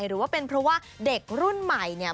หรือว่าเป็นเพราะว่าเด็กรุ่นใหม่เนี่ย